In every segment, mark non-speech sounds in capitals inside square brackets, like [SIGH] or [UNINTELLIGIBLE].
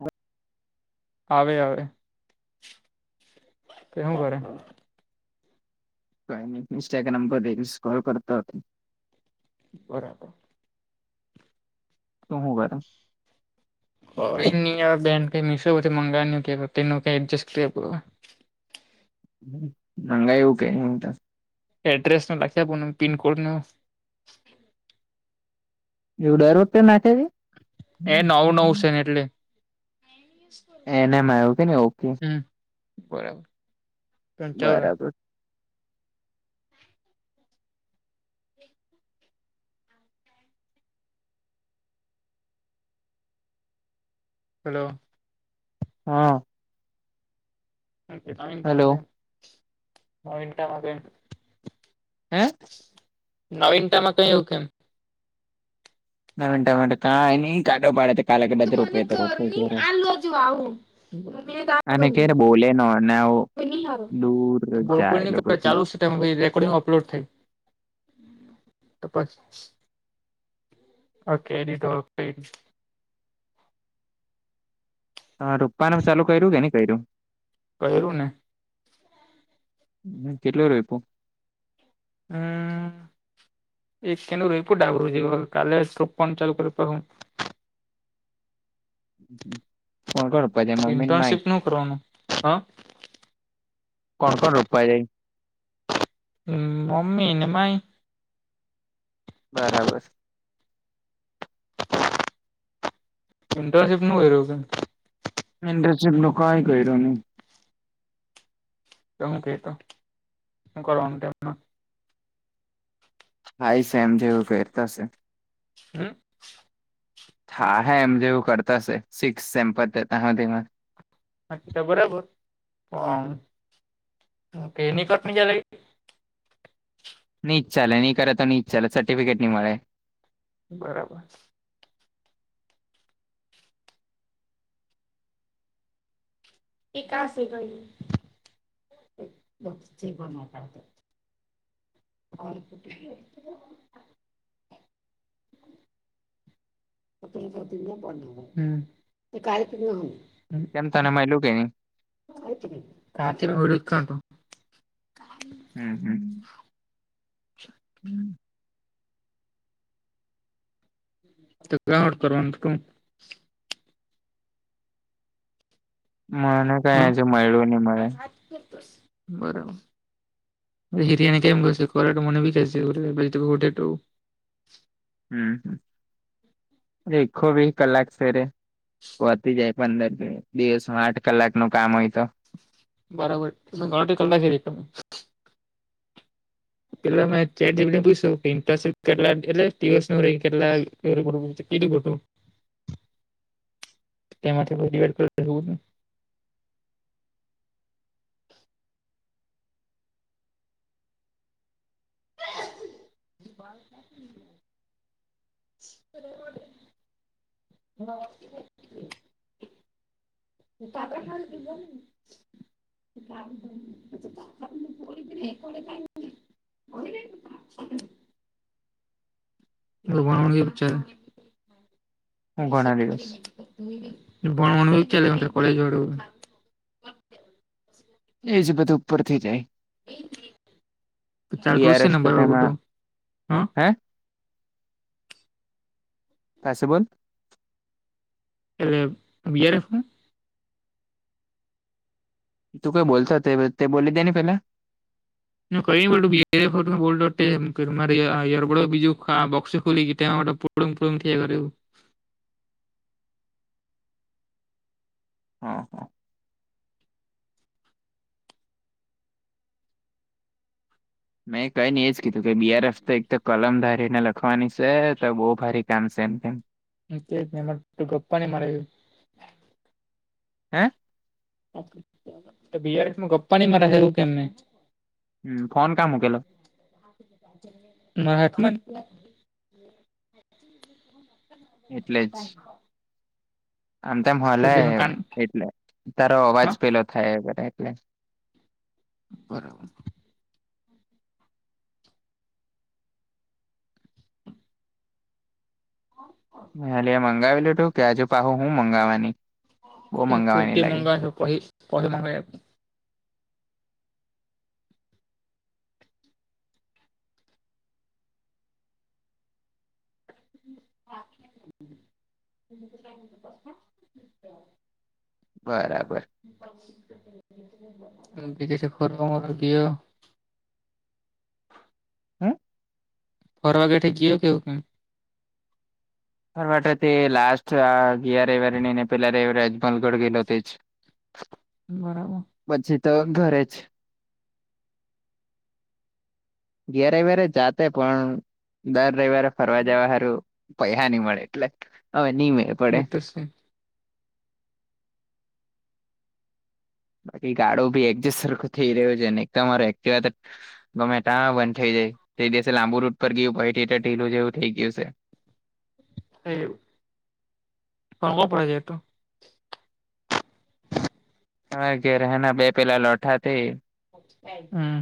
હા આવે આવે તોું કરે કઈ નહી મિસ્ટ નંબર રેસ કોલ કરતા હતા બરાબર તોું હું કર એ બડ કઈ મિસ મંગા ક ન કઈ એડજસ્ટ કર મંગ એવું કે એ એડ્રેસ ન લખી આપો પિનકોડ ન એવડ રૂપિયા નાખે છે એ નવ નવ છે ને એટલે એને એમ આવ્યું કે ને ઓકે હમ બરાબર પંચાવન બરાબર હલો હા હલો મનટામાં ન મનટામાં હમ નવીન ટામાં કઈ એવું કેમ નાના ન કાઢો પાડે કાલે કદાચ રૂપ તો રોપ કે અને કે્યારે બોલે ન અનેને બોલકુલ ન કર લોકોથી ચાલુ રેકોર્ડિંગ અપલોડ થઈ તો હ કેડી ડોક હ રૂપા ન ચાલુ કર્યું કે નઈ કર્યું કર્યું ને હમ કેટલો રપું હમ એક કેનું રહીપ ડાબરું જ કાલે ટ્રોપ પણ ચાલુ કર હું કોણ કરપ જ મમ્મીન ઇન્ટર્નશીપ માહિત નું કરવાનું હા કોણ કોણ રૂપા જાય હ મમ્મી ને માાઈ બરાબર ઇન્ટર્નશીપ નું હોય રહ્યું કેમ ન્ડસ્ટ્રી લોકોુકા હ કહી રહ તો હું કતો શું કરવાનું તેમમાં હાઈ સેમ જેવું ફહેરતાશે હમ હા હે એમ જેવું કરતા હશે સિક્સ સેમ્પતામાં કી બરાબર હકેનીિકટની ગ લ નઈ્છાલે નહી કરે તો ન ઈચ્ ચાલે સર્ટિફેટ નની મળે બરાબર એશે ગઈ બ બન કરતો હ એટલી બધી ન બનાવો હમ [INAUDIBLE] કેમ તને મયલુ કે નહીં? હે કે ની [INAUDIBLE] હમ હમ હમ કેટલા અવર કરવાનો તું? મને કાઈ હા અહીંથી મળ્યું ની મળે. [INAUDIBLE] બરાબર. હિરિયાની કેમ ગશે કોરા મને બી [INAUDIBLE] હમ. દેખો વી કલાક સે રયા. વધી જાય પંદર. દિવસમાં આઠ કલાકનું કામ હોય તો. બરાબર. [INAUDIBLE] આઠે કલાક [INAUDIBLE] પેલા મેં જયદીપને પૂછ્યું કે ઇન્ટરનશીપ કેટલા એટલે દિવસનું રહી કેટલા ત્યારે બધું કીધું બધું. તેમાંથી પછી ડિવાઇડ કરીને એવું નહીં. [INAUDIBLE] તો રેવાદે [INAUDIBLE] [INAUDIBLE] [INAUDIBLE] [INAUDIBLE] એ [INAUDIBLE] ભણવાનું હું ઘણા દિવસ કેવું ચાલે કોલેજ વાળું? એજ બધું ઉપરથી જાય. બીઆરએસ તો તેમાં હે? પાસું બોલ. એટલે બીઆરએફ હું? તું કઈ બોલતો હતો તે બોલી દે ને પેલા. ના કઈ ની બોલતો બીઆર એફ હતું બોલતો તે એમ [INAUDIBLE] ફુડુમ ફુડુમ થયા કર્યું. હા હા મેં કઈ નહીં એજ કીધું કે બીઆરએફ તો એક તો કલમ ધારીને લખવાની છે તો બહુ ભારી કામ સે એમ તેમ. હા તેજને એમાં તો ગપ્પા ની મારી હે તો બીઆરએફમાં ગપ્પા ની મારે તું કેમને. હમ ફોન કા મૂકેલો? મારા હાથમાં જ એટલે જ આમ તેમ હલે એટલે હે એનું કાન એટલે. તારો અવાજ હા પેલો થાય હે કટ એટલે. બરાબર. હા એટલે મંગાવી લીધું કે આજે પાહુ હું મંગાવાની? બહુ એ મંગાવાની કુર્તી લાગે મંગા પહી પછી મંગાઈ આપ [INAUDIBLE] બરાબર એમ કે જેસે ફરવામાં ગયો. હે? ફરવા કઠે ગયું કે એવું કંઈ? ફરવા તો તે લાસ્ટ આ ગિયા રવિવારે નહીં ને પેલા રવિવારે [INAUDIBLE] પાલગઢ ગેલો તે જ બરાબો પછી તો ઘરે જ ઘેરે વેરે જાતે પણ દર રવિવારે ફરવા જવા હારું પૈહા નહીં મળે એટલે હવે નહી મે એ તો સે. બાકી ગાડો બી એડજસ્ટ સરખું થઈ રહ્યો છે ને એક તમારે એકટીવા તો ગમે ત્યાં બંધ થઈ જાય. તે દિવસે લાંબુ રૂટ પર ગયું ભઈથી તો ઢીલું જેવું થઇ ગયું સે. એ પણ [UNINTELLIGIBLE] છે તો [UNINTELLIGIBLE] બે પેલા લોઠા તે હમ્મ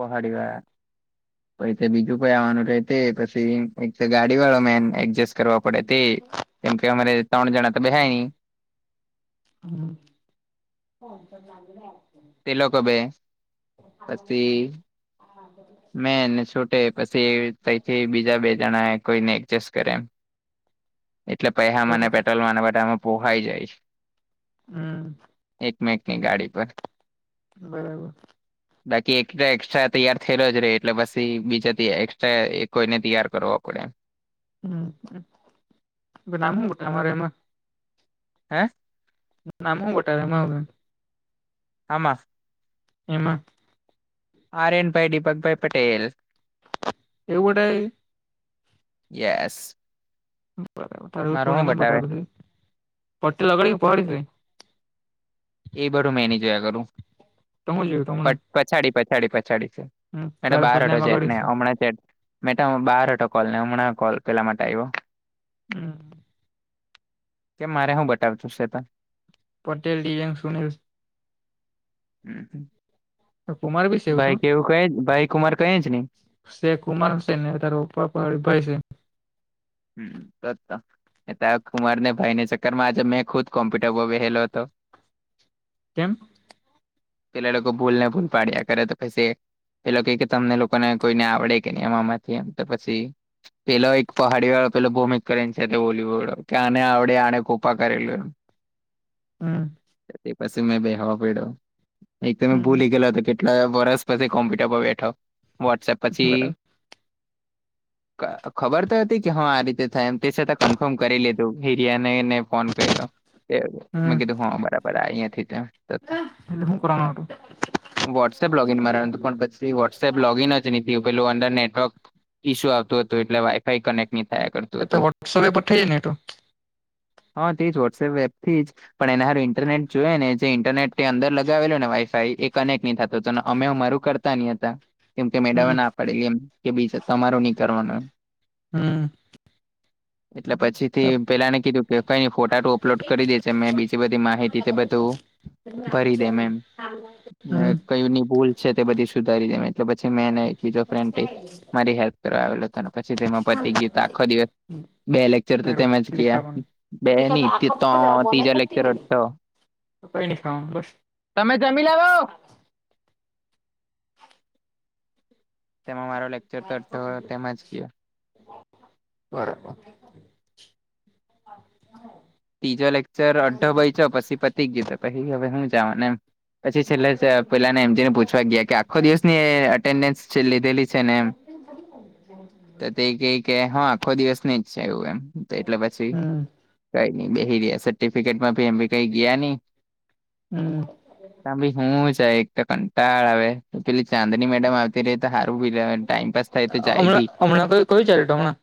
પહાડી ગયા પહિ તે બીજું કોઇ આવાનું રે તે પછી એક ગાડી વાળો મેન એક્જેસ કરવા પડે તે કેમ કે અમારે ત્રણ જણા તો બેહાય ની તે [INAUDIBLE] લોકો બે [INAUDIBLE] મેં ને છૂટે પછી તઈથી બીજા બે જણા કોઈને એડજસ્ટ કરે એમ એટલે પૈહામા ને બરાબર પેટ્રોલમા ને બધામાં પોહાઈ જાય છે. હમ્મ મેકની ગાડી પર બરાબર બાકી એક તો એક્સ્ટ્રા તૈયાર થયેલો જ રે એટલે પસી બીજા તો એક્સ્ટ્રા કોઈને તિયાર કરોવો પડે એમ હમ્મ તો નામ હુ તમારે એમાં હે નામ હું બતાવે [UNINTELLIGIBLE] હામાં? એમાં આર્યનભાઈ દીપકભાઈ પટેલ એવુ બતાવે કે યેશ બરાબર તારુ પૂણામાં જ બતાવે બતાવતું સે પટેલ લગાડી કે પહાડી સે એ બધું મેં ની જોયા કરું. તમ હુ જોયુ હમણાં પટ- પછાડી પછાડી પછાડી એટલે હમ મેતો તારે બાર હતો સરનેમ જેટ ને અગાડ્યું છે હમણાં મેતો બહાર હતો કોલ હમણાં કોલ પેલા માટે આઈવો. હમ્મ કેમ મારે હું બતાવતું સેતો પટેલ દિયાંગ સુનિલ કુમાર બી છે એવું તો ભાઈ કેવું કઈ જ ભાઈ કુમાર કઈ જ ની શે કુમારશે ને તારો પપ્પા પર ભાઈ છે. હમ્મ તોતો તારા કુમાર ને ભાઈને ચક્કરમાં આજે મેં ખુદ કોમ્પ્યુટર પર બેહેલો હતો. કેમ પેલા લોકો ભૂલ ને ભૂલ પાડ્યા કરે તો પસે પેલો કૈ કે તમને લોકોને કોઈને આવડે કે નહી એમા માંથી એમ તો પછી પેલો એક ખાડીવાડો પેલો ભૂમિક કરિને છે તે બોલીવુડ કે આને આવડે આને કોપા કરેલું એમ હમ તે પછી મે બેહવા પડ્યો એક તો મે હમ ભૂલી ગેલો હતો કે કેટલ વરસ પછી કોમ્પ્યુટર પર બેઠો વોટ્સએપ પછી બરાબર ખબર ત હતી કે હ આ રીતે થાય એમ તે છતાં કન્ફર્મ કરી લીધું હિરિયાને ફોન કર્યો. મે હમ કીધું હા બરાબર અહીંયા થી એટલે હું કરવાનું હતું એમ વોટ્સઅપ લોગ ઇન મારવાન હતું પણ પછી તે. વોટ્સએપ લોગિન જ ની થયું પેલું અંદર નેટવર્ક ઈશ્યુ આવતું એટલે વાઈ એ તો વોટ્સઅપ પર થઇ જાય ને એતો હા તે જ વોટ્સએપ એપથી જ પણ એના હારુ ઇન્ટરનેટ જોયએ ને જે ઇન્ટરનેટ અંદર લગાવેલો ને વાઈફાઈ એ કનેક્ટ નહી થતો હતો અમે અમારું કર તા ની હતા કેમ કે મેડમે હમ ના પાડેલી એમ કે બીજ તમારુ નહી કરવાનું એમ હમ્મ. એટલે પછી. થી પેલાને કીધું કે કઈને ફોટા તો અપલોડ કરી દે જે મે બીજી બધી માહિતી તો બધું. ભરી દેમ એમ [UNINTELLIGIBLE] હમ કયુંની ભૂલ છે તે બધી સુધારી દેમે એટલે પછી મે એને એક બીજો ફ્રેંટે મારી હેલ્પ કરવા આવેલો હતો પછી તેમાં પતિ ગયું તો આખો દિવસ. બે લેક્ચર તો મેરું તેમજ કયા ખાવાનું બે નહી તો ત્રીજા લેક્ચર હતો. તો કઈ. ને ખાઉ બસ તમે જમી લેવો. તેમાં મારો લેક્ચર તોથ તેમાંજ કયો. બરાબર. ત્રીજો લેકચર અડધો બય ચો પછી પતિક ગીતો પછી હવે જવા ને એમ. પછી છેલ્લા પેલાને એમ જેને પૂછવા ગયા કે આખો દિવસનીન્ડ લીધેલી છે ને એમ. તો તે ક કે હા આખો દિવસ ની જ છે એવું એમ એટલે પછી. હમ કઈ નઈ બેરહ્યા સર્ટિફિકેટમાંભી એભી કઈ ગયા નઈ. હમ તં ભી હું જાય એક તો કંટાળ આવે. પેલી ચાંદની મેડમ આવતી ત્યાર હારુ ઊંઘવર્ ટાઈમપાસ થાય તો જચાય હમણાં પી. હમણાં કોઈ કોઈ ચાલેટોના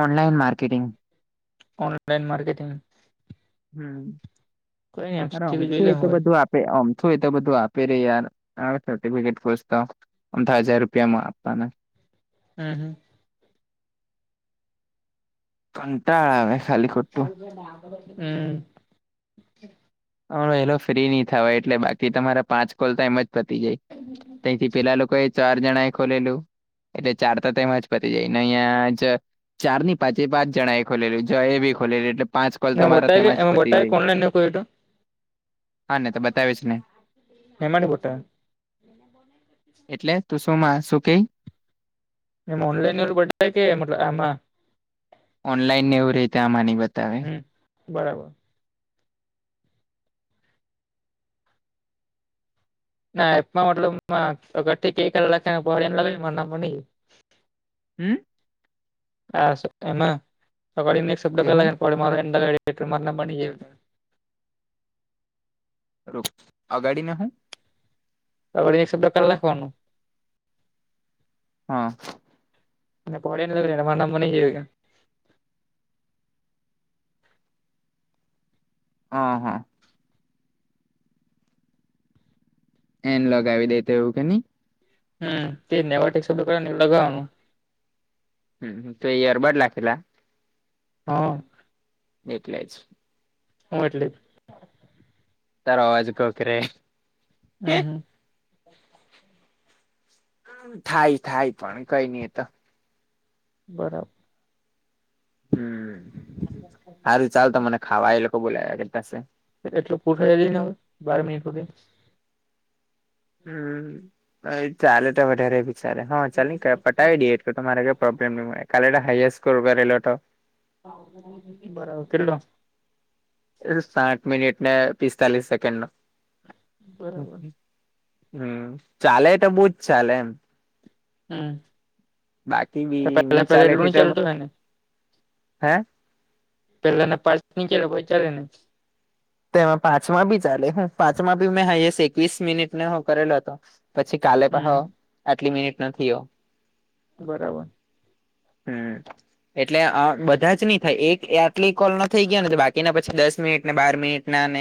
ઓનલાઈન માર્કેટિંગ. Online marketing. કઈ નઈ એમસીક્યુ હમકું જોઈ લે એ તો હવારે બધું આપ. આમ છું એ તો બધું આપે રે યાર આવે સર્ટિફિકેટ તો. અમા હજાર રૂપિયા માં આપવાના. હમ હ કટાળ આવેે. [UNINTELLIGIBLE] હમ હ એલો ફ્રી નની થવાય એટલે બાકી તમારા પાંચ કોલ તો એમ જ પતી જાય. બ [UNINTELLIGIBLE] થી પેલા લોકો એ ચાર જણા એ ખોલેલું એટલે ચાર ત હજ પતી જાયને અહીયા જ ચાર ની પાંચે પાંચ જણા એ ખોલેલું જ એ બી ખોલેલું એટલે પાંચ કોલ તો મારા તેમાં જ પતી જાય. તને કોઈટો. હા ને તો બતાવીશ ને. હે મળ પોટે. [INAUDIBLE] એટલે તું શું માં શું કે. એમ ઓનલાઈન બ કે મતલ એમાં. ઓનલાઈન ને એવું ર રહે આમાંની બતાવે. હમ બરાબર ના એપમાં મતલબ અગરથી ક લખ લે નહિ. હમ. હ તે હું એબની [UNINTELLIGIBLE] રો અગાડી ને હું? [UNINTELLIGIBLE] રાખવાનું. હા. [UNINTELLIGIBLE] હ હ. એન લગાવી દેતો એવું કે ન. હમ તે નેવાટે એક સબ કર એવ ગાવાનું. હમ તો એ યરબર્ડ લખેલા. હા. એટલે જ. હા એટલે તાર અવાજ કોકરે. હમ્મ હમ્મ. થાય થાય પણ કઈ નઈ તો. બરા હમ્મ, હારું ચાલ તો મને ખાવા એ લોકો બોલાયા કેતાશે. એટલે [UNINTELLIGIBLE] બાર મિનિટ સુધી. હમ્મ, એ ચાલે તો વધારે ચાલે હા ચાલ પાવી દેએ એટ તમારે કઈ પ્રોબ્લેમ નહી મળે કાલે હાર સ્કોર કરેેલો હતો. બરાબર કેલો? સાઠ મિનિટ ને પિસ્તાલીસ સેકન્ડ નો. બરાબર હમ્મ, ચાલે એટ બુજ ચાલે એમ. હમ બાકી મી પેલા પેલા ચાલે એટલું તે નઈ તો ચાલતું હોય ને હે? પેલાને પા નીચે પછ ચા ને. તેમાં પાંચમા બી ચાલે હું પાંચમા બી મેં હાઈસ એકવીસ મિનિટ ને હું કરેલો હતો. પછી કાલે હમ પહો આટલી મિનિટ નથી હો. બરાબર. હમ્મ. એટલે બધા જ નહી થાય એક આટલી કોલ ના થઈ ગયા ને બાકીના પછી દસ મિનિટ ને બાર મિનિટ ના ને